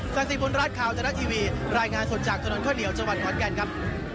สร้างสิทธิ์บนรัฐข่าวจรรยาทีวีรายงานสดจากถนนข้าวเหนียวจังหวัดหวัดแก่นครับ